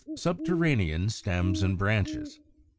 =Subterranean Stems and Branches.